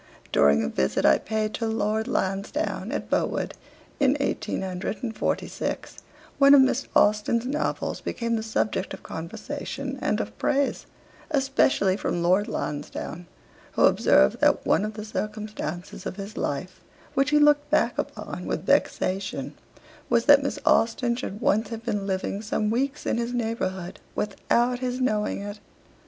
'During a visit I paid to Lord Lansdowne, at Bowood, in 1846, one of Miss Austen's novels became the subject of conversation and of praise, especially from Lord Lansdowne, who observed that one of the circumstances of his life which he looked back upon with vexation was that Miss Austen should once have been living some weeks in his neighbourhood without his knowing it.